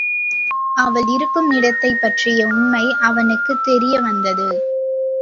அவள் இருக்குமிடத்தைப் பற்றிய உண்மை அவனுக்குத் தெரியவந்தது.